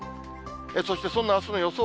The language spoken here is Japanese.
そしてそんなあすの予想